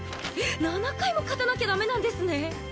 ７回も勝たなきゃ駄目なんですね。